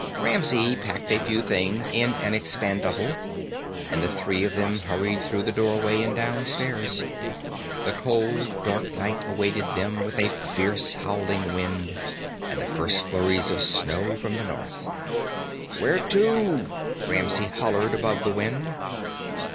Ramsey packed a few things in an expanduffle and the three of them hurried through the doorway and down stairs. The cold dark night awaiting them with a fierce howling wind and the first flurries of snow from the north. "Where to?" Ramsey hollered above the wind.